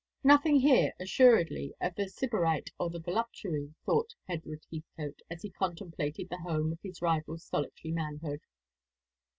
Nothing here assuredly of the sybarite or the voluptuary, thought Edward Heathcote, as he contemplated the home of his rival's solitary manhood.